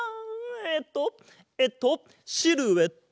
えっとえっとシルエット！